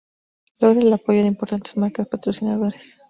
Logra el apoyo de importantes marcas patrocinadoras.